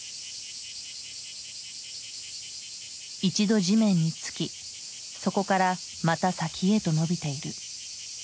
一度地面につきそこからまた先へと伸びている。